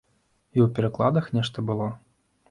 І ў перакладах нешта было.